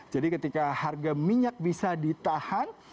jadi ketika harga minyak bisa ditahan